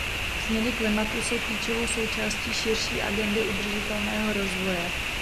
Změny klimatu jsou klíčovou součástí širší agendy udržitelného rozvoje.